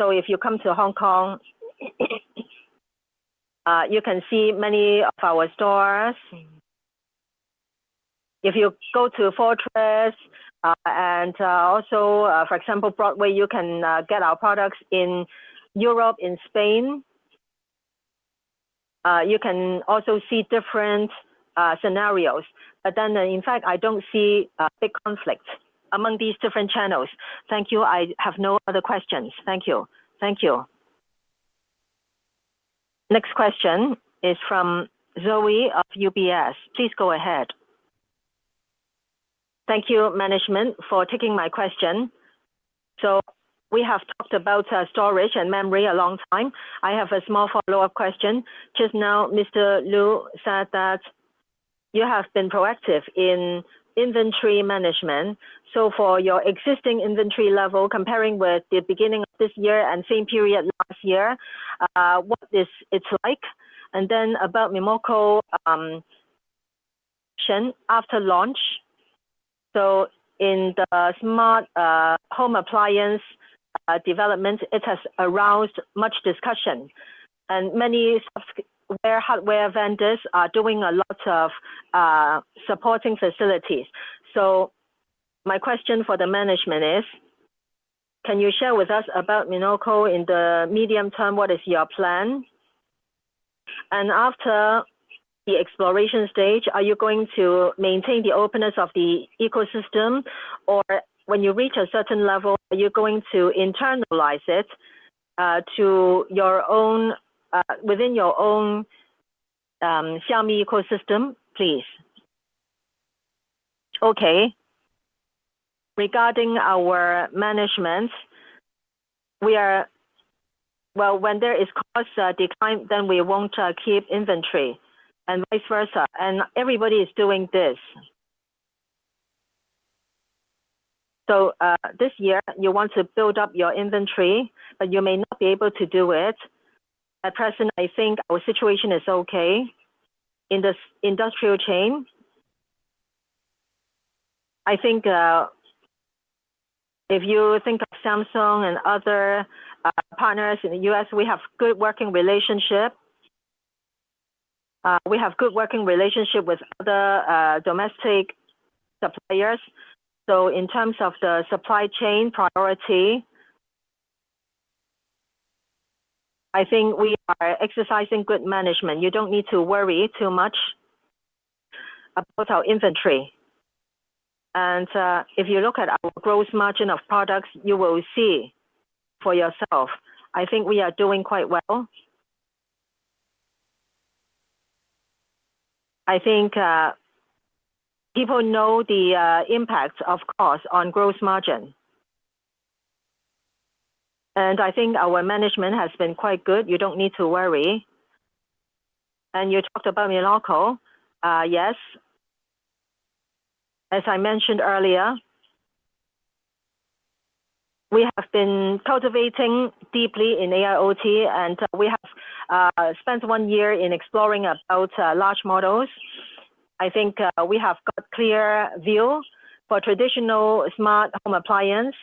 If you come to Hong Kong, you can see many of our stores. If you go to Fortress, and also, for example, Broadway, you can get our products in Europe, in Spain. You can also see different scenarios. But then, in fact, I don't see big conflict among these different channels.
Thank you. I have no other questions. Thank you.
Thank you. Next question is from Zoe of UBS. Please go ahead.
Thank you, management, for taking my question. So we have talked about storage and memory a long time. I have a small follow-up question. Just now, Mr. Lu said that you have been proactive in inventory management. For your existing inventory level, comparing with the beginning of this year and same period last year, what is it like? About [Miloco], after launch, in the smart home appliance development, it has aroused much discussion. Many software hardware vendors are doing a lot of supporting facilities. My question for the management is, can you share with us about [Miloco] in the medium term? What is your plan? After the exploration stage, are you going to maintain the openness of the ecosystem, or when you reach a certain level, are you going to internalize it, to your own, within your own, Xiaomi ecosystem? Please.
Okay. Regarding our management, we are, when there is cost decline, then we will not keep inventory and vice versa. Everybody is doing this. This year, you want to build up your inventory, but you may not be able to do it. At present, I think our situation is okay in the industrial chain. I think, if you think of Samsung and other partners in the U.S., we have good working relationships. We have good working relationships with other domestic suppliers. In terms of the supply chain priority, I think we are exercising good management. You do not need to worry too much about our inventory. If you look at our gross margin of products, you will see for yourself. I think we are doing quite well. I think people know the impact of cost on gross margin. I think our management has been quite good. You do not need to worry. You talked about [Miloco]. Yes. As I mentioned earlier, we have been cultivating deeply in AIoT, and we have spent one year in exploring about large models. I think we have got a clear view for traditional smart home appliance.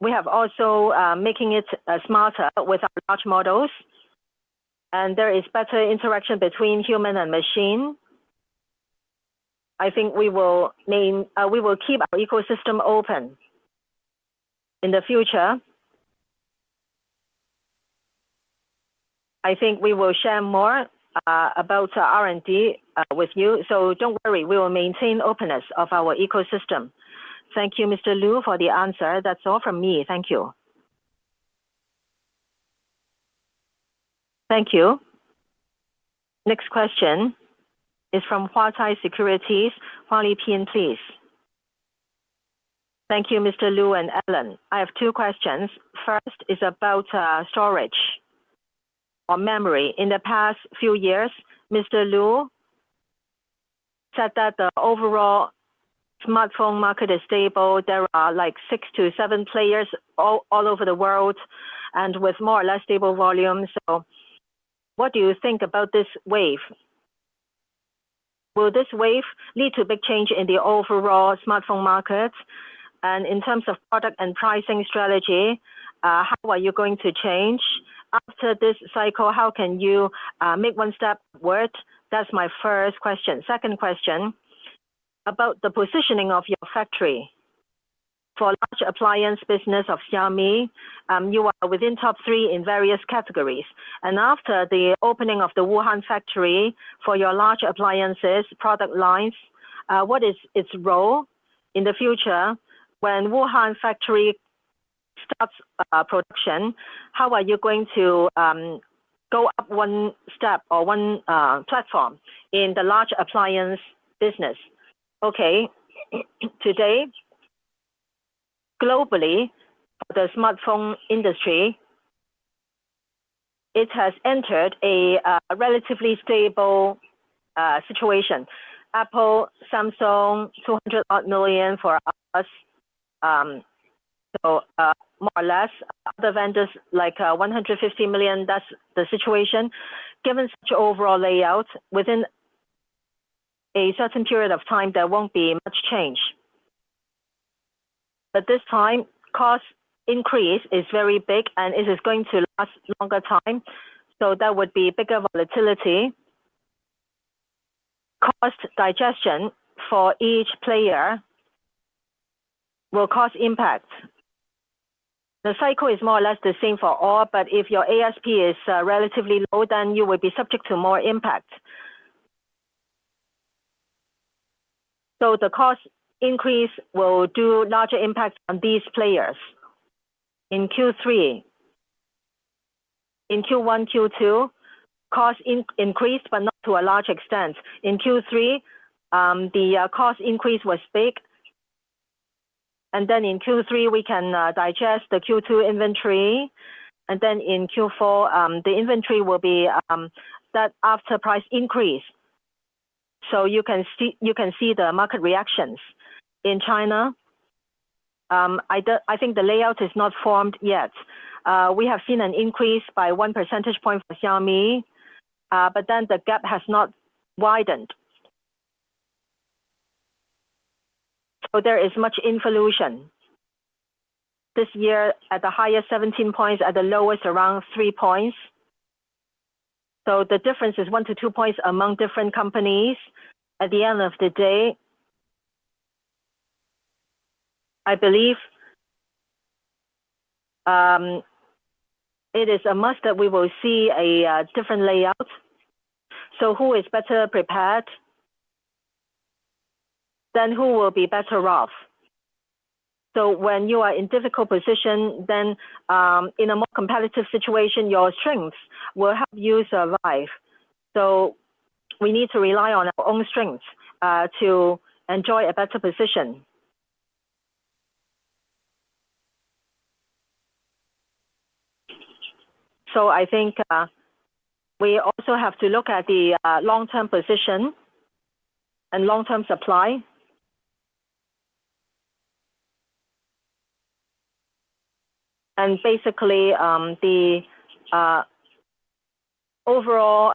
We have also been making it smarter with our large models. There is better interaction between human and machine. I think we will keep our ecosystem open in the future. I think we will share more about R&D with you. Do not worry. We will maintain openness of our ecosystem.
Thank you, Mr. Lu, for the answer. That's all from me. Thank you.
Thank you. Next question is from Huatai Securities. Huang Leping, please.
Thank you, Mr. Lu and Alain. I have two questions. First is about storage or memory. In the past few years, Mr. Lu said that the overall smartphone market is stable. There are like six to seven players all over the world and with more or less stable volumes. What do you think about this wave? Will this wave lead to big change in the overall smartphone market? In terms of product and pricing strategy, how are you going to change? After this cycle, how can you make one step upward? That's my first question. Second question about the positioning of your factory. For large appliance business of Xiaomi, you are within top three in various categories. After the opening of the Wuhan factory for your large appliances product lines, what is its role in the future? When Wuhan factory stops production, how are you going to go up one step or one platform in the large appliance business?
Okay. Today, globally, the smartphone industry has entered a relatively stable situation. Apple, Samsung, 200-odd million for us, so more or less. Other vendors like 150 million. That is the situation. Given such overall layout, within a certain period of time, there will not be much change. This time, cost increase is very big, and it is going to last longer time. That would be bigger volatility. Cost digestion for each player will cause impact. The cycle is more or less the same for all, but if your ASP is relatively low, then you will be subject to more impact. The cost increase will do larger impact on these players in Q3. In Q1, Q2, cost increased, but not to a large extent. In Q3, the cost increase was big. In Q3, we can digest the Q2 inventory. In Q4, the inventory will be that after-price increase. You can see the market reactions in China. I do, I think the layout is not formed yet. We have seen an increase by one percentage point for Xiaomi, but then the gap has not widened. There is much inflation this year at the highest 17 points, at the lowest around 3 points. The difference is one to two points among different companies. At the end of the day, I believe it is a must that we will see a different layout. Who is better prepared than who will be better off? When you are in a difficult position, in a more competitive situation, your strengths will help you survive. We need to rely on our own strengths to enjoy a better position. I think we also have to look at the long-term position and long-term supply. Basically, the overall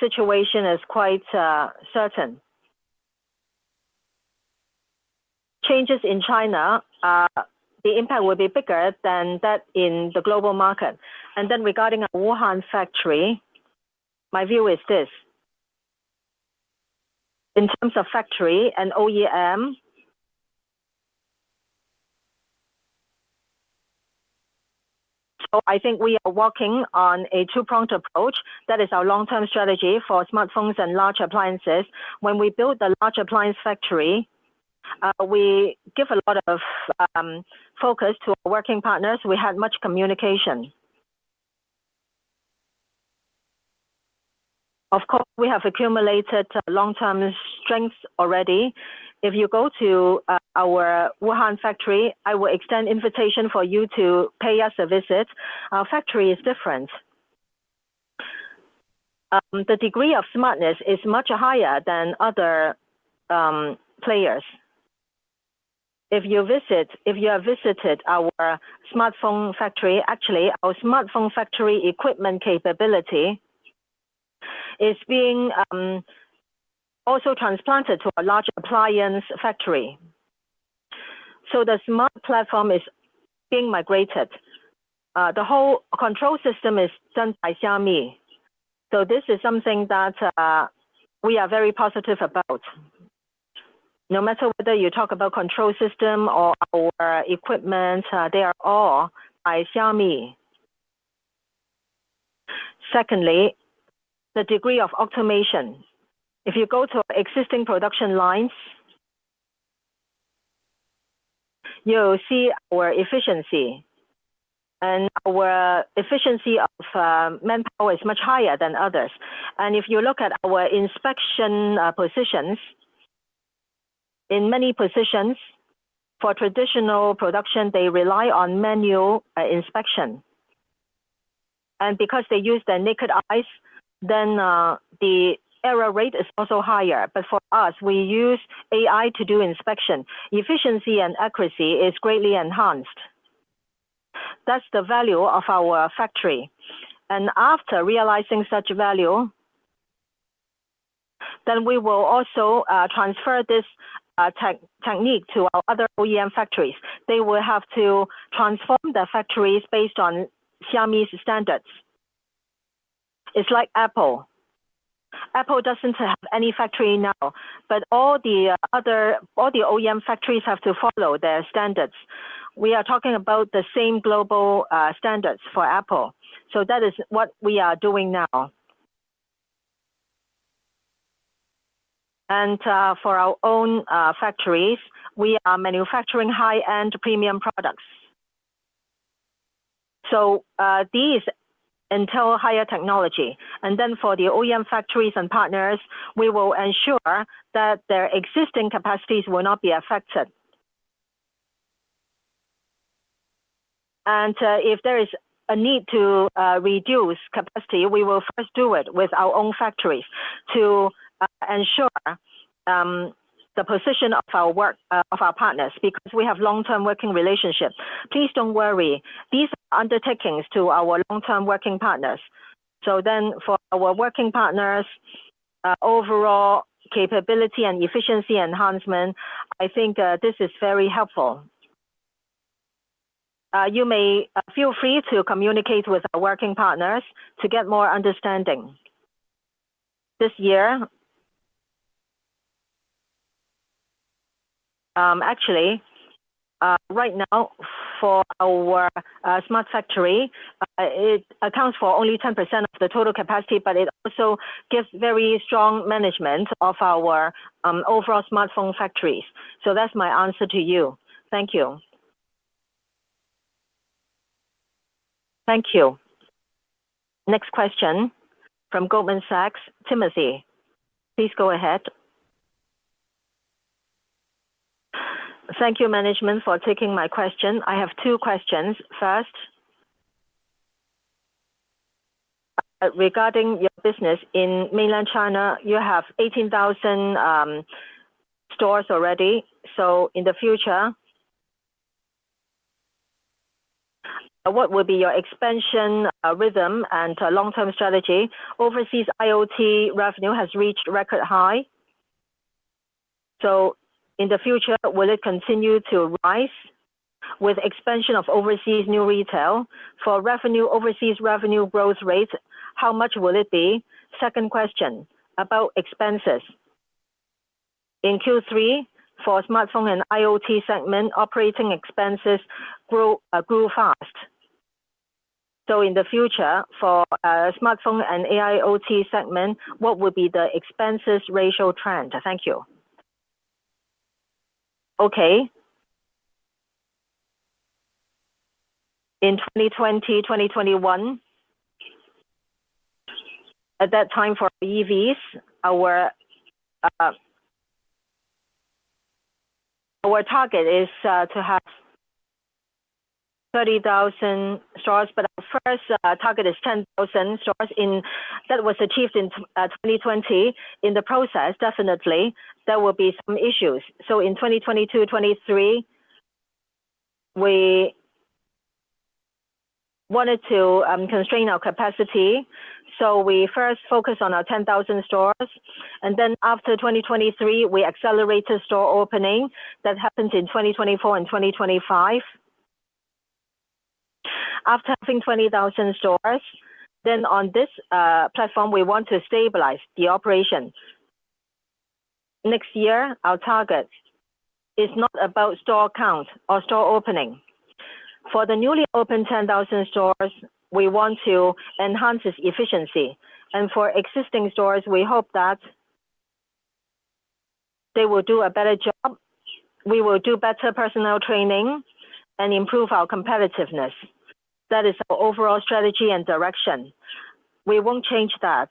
situation is quite certain. Changes in China, the impact will be bigger than that in the global market. Regarding our Wuhan factory, my view is this: in terms of factory and OEM, I think we are walking on a two-pronged approach. That is our long-term strategy for smartphones and large appliances. When we build the large appliance factory, we give a lot of focus to our working partners. We had much communication. Of course, we have accumulated long-term strengths already. If you go to our Wuhan factory, I will extend an invitation for you to pay us a visit. Our factory is different. The degree of smartness is much higher than other players. If you visit, if you have visited our smartphone factory, actually, our smartphone factory equipment capability is being also transplanted to a large appliance factory. The smart platform is being migrated. The whole control system is done by Xiaomi. This is something that we are very positive about. No matter whether you talk about control system or our equipment, they are all by Xiaomi. Secondly, the degree of automation. If you go to our existing production lines, you'll see our efficiency. Our efficiency of manpower is much higher than others. If you look at our inspection positions, in many positions, for traditional production, they rely on manual inspection. Because they use their naked eyes, the error rate is also higher. For us, we use AI to do inspection. Efficiency and accuracy is greatly enhanced. That is the value of our factory. After realizing such value, we will also transfer this technique to our other OEM factories. They will have to transform the factories based on Xiaomi's standards. It is like Apple. Apple does not have any factory now, but all the OEM factories have to follow their standards. We are talking about the same global standards for Apple. That is what we are doing now. For our own factories, we are manufacturing high-end premium products. These entail higher technology. For the OEM factories and partners, we will ensure that their existing capacities will not be affected. If there is a need to reduce capacity, we will first do it with our own factories to ensure the position of our work, of our partners because we have long-term working relationships. Please do not worry. These are undertakings to our long-term working partners. For our working partners, overall capability and efficiency enhancement, I think this is very helpful. You may feel free to communicate with our working partners to get more understanding. This year, actually, right now for our smart factory, it accounts for only 10% of the total capacity, but it also gives very strong management of our overall smartphone factories. That is my answer to you.
Thank you.
Thank you. Next question from Goldman Sachs, Timothy. Please go ahead.
Thank you, management, for taking my question. I have two questions. First, regarding your business in mainland China, you have 18,000 stores already. In the future, what will be your expansion rhythm and long-term strategy? Overseas IoT revenue has reached a record high. In the future, will it continue to rise with the expansion of overseas new retail? For revenue, overseas revenue growth rate, how much will it be? Second question about expenses. In Q3, for smartphone and IoT segment, operating expenses grew fast. In the future, for smartphone and AIoT segment, what would be the expenses ratio trend? Thank you.
Okay. In 2020, 2021, at that time for EVs, our target is to have 30,000 stores, but our first target is 10,000 stores and that was achieved in 2020. In the process, definitely, there will be some issues. In 2022, 2023, we wanted to constrain our capacity. We first focused on our 10,000 stores. After 2023, we accelerated store opening. That happened in 2024 and 2025. After having 20,000 stores, then on this platform, we want to stabilize the operation. Next year, our target is not about store count or store opening. For the newly opened 10,000 stores, we want to enhance its efficiency. For existing stores, we hope that they will do a better job. We will do better personnel training and improve our competitiveness. That is our overall strategy and direction. We will not change that.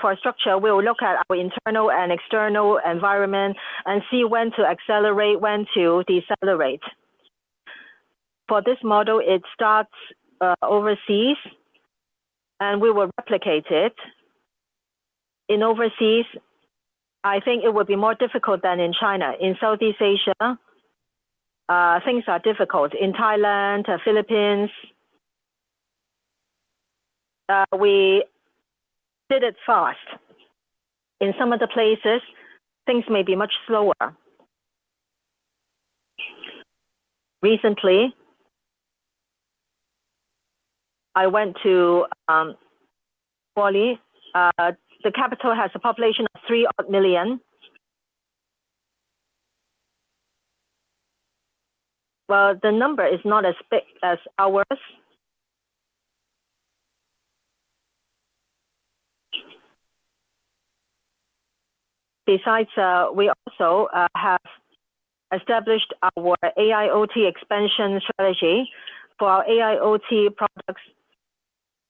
For structure, we will look at our internal and external environment and see when to accelerate, when to decelerate. For this model, it starts overseas, and we will replicate it. In overseas, I think it will be more difficult than in China. In Southeast Asia, things are difficult. In Thailand, Philippines, we did it fast. In some of the places, things may be much slower. Recently, I went to Bali. The capital has a population of 3 million. The number is not as big as ours. Besides, we also have established our AIoT expansion strategy for our AIoT products.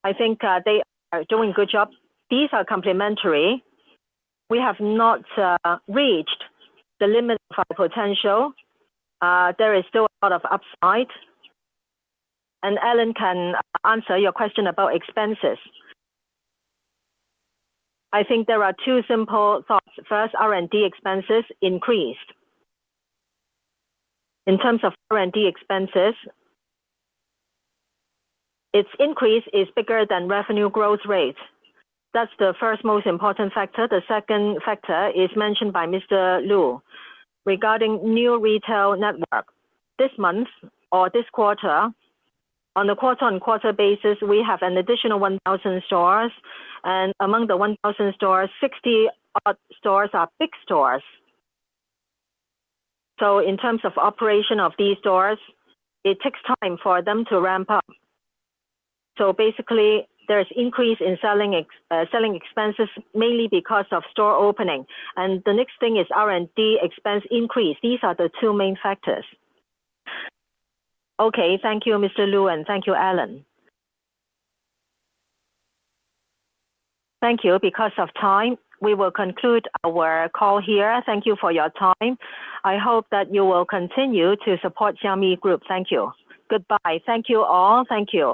I think they are doing a good job. These are complementary. We have not reached the limit of our potential. There is still a lot of upside. And Alain can answer your question about expenses.
I think there are two simple thoughts. First, R&D expenses increased. In terms of R&D expenses, its increase is bigger than revenue growth rate. That's the first most important factor. The second factor is mentioned by Mr. Lu regarding new retail network. This month or this quarter, on a quarter-on-quarter basis, we have an additional 1,000 stores. Among the 1,000 stores, 60-odd stores are big stores. In terms of operation of these stores, it takes time for them to ramp up. Basically, there's increase in selling expenses mainly because of store opening. The next thing is R&D expense increase. These are the two main factors.
Okay. Thank you, Mr. Lu, and thank you, Alain.
Thank you. Because of time, we will conclude our call here. Thank you for your time. I hope that you will continue to support Xiaomi Group. Thank you. Goodbye. Thank you all. Thank you.